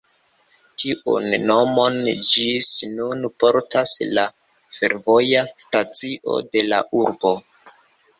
Tiun nomon ĝis nun portas la fervoja stacio de la urbo.